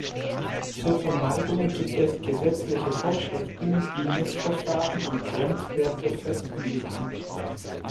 Zur Vermeidung gibt es gesetzliche Vorschriften, die Messverfahren und Grenzwerte festlegen.